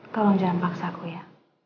tolong jangan paksaku ya